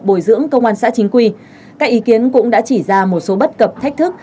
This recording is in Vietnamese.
bồi dưỡng công an xã chính quy các ý kiến cũng đã chỉ ra một số bất cập thách thức